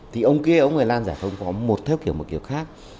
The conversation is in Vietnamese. thì ông kia ông người lan giải pháp vẫn có một theo kiểu một kiểu khác